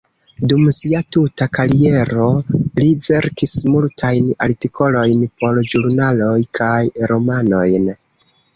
Dum sia tuta kariero li verkis multajn artikolojn por ĵurnaloj kaj romanojn.